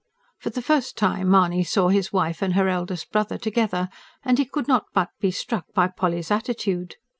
For the first time Mahony saw his wife and her eldest brother together and he could not but be struck by Polly's attitude.